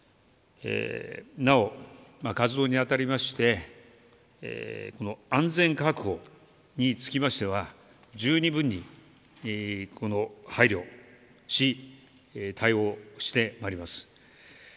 なお、活動に当たりまして安全確保につきましては十二分に配慮をし対応してまいります。